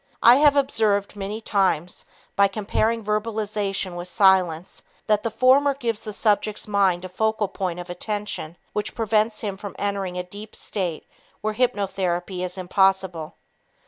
I have observed many times, by comparing verbalization with silence, that the former gives the subject's mind a focal point of attention which prevents him from entering a sleep state where hypnotherapy is impossible.